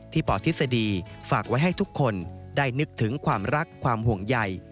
ปทฤษฎีฝากไว้ให้ทุกคนได้นึกถึงความรักความห่วงใหญ่